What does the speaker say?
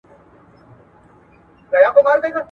د ټولنيزو علومو بېلابېلي څانګي شتون لري.